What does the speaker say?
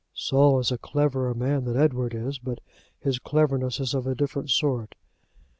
"Saul is a cleverer man than Edward is; but his cleverness is of a different sort."